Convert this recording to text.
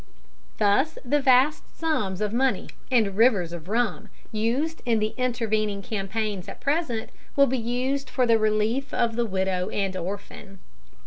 Thus the vast sums of money and rivers of rum used in the intervening campaigns at present will be used for the relief of the widow and orphan.